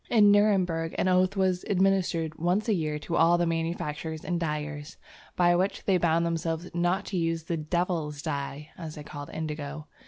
In Nuremberg, an oath was administered once a year to all the manufacturers and dyers, by which they bound themselves not to use the "devil's dye," as they called Indigo.